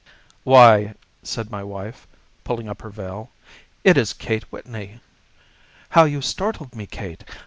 "Why," said my wife, pulling up her veil, "it is Kate Whitney. How you startled me, Kate!